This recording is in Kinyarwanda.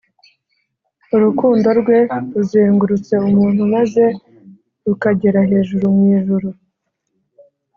. Urukundo rwe ruzengurutse umuntu, maze rukagera hejuru mw’ijuru.